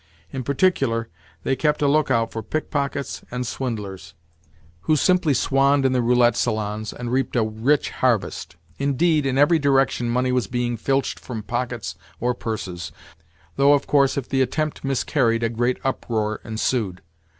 In particular they kept a lookout for pickpockets and swindlers, who simply swanned in the roulette salons, and reaped a rich harvest. Indeed, in every direction money was being filched from pockets or purses—though, of course, if the attempt miscarried, a great uproar ensued.